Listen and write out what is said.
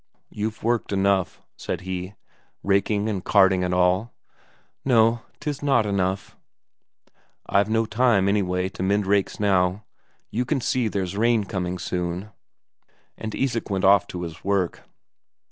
"You've worked enough," said he, "raking and carting and all." "No, 'tis not enough." "I've no time, anyway, to mend rakes now. You can see there's rain coming soon." And Isak went off to his work.